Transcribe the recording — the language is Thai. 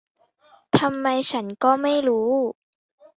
ทำไมฉันก็ไม่รู้